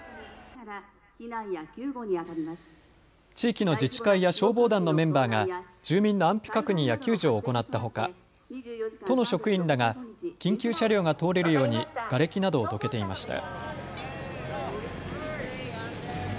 地域の自治会や消防団のメンバーが住民の安否確認や救助を行ったほか都の職員らが緊急車両が通れるようにがれきなどをどけていました。